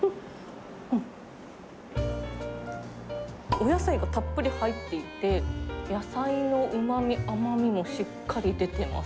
お野菜がたっぷり入っていて、野菜のうまみ、甘みがしっかり出てます。